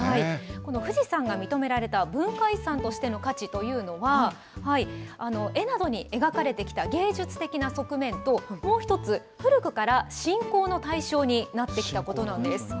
この富士山が認められた文化遺産としての価値というのは、絵などに描かれてきた芸術的な側面と、もう１つ、古くから信仰の対象になってきたことなんです。